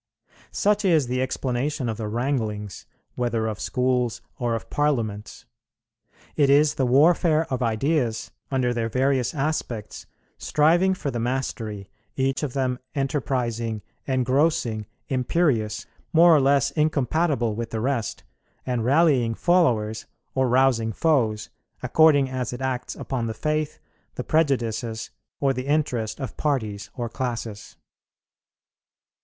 Such is the explanation of the wranglings, whether of schools or of parliaments. It is the warfare of ideas under their various aspects striving for the mastery, each of them enterprising, engrossing, imperious, more or less incompatible with the rest, and rallying followers or rousing foes, according as it acts upon the faith, the prejudices, or the interest of parties or classes.